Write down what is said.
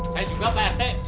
saya juga pak rt